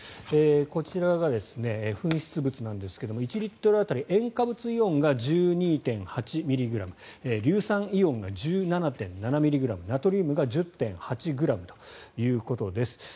こちらが噴出物なんですが１リットル当たり塩化物イオンが１２．８ｍｇ硫酸イオンが１７．７ｍｇナトリウムが１０．８ｍｇということです。